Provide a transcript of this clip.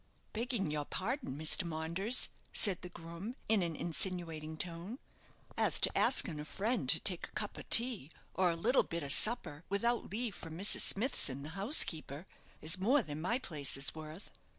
"Begging your pardon, Mr. Maunders," said the groom, in an insinuating tone; "as to askin' a friend to take a cup of tea, or a little bit of supper, without leave from Mrs. Smithson, the housekeeper, is more than my place is worth."